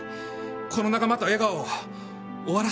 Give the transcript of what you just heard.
この仲間と笑顔を終わらせたくない。